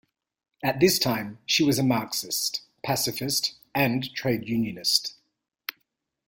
At this time, she was a Marxist, pacifist, and trade unionist.